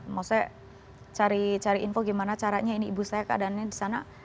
maksudnya cari info gimana caranya ini ibu saya keadaannya di sana